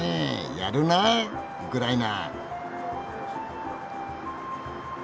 やるなウクライナ！